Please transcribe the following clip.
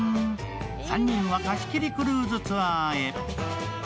３人は貸し切りクルーズツアーへ。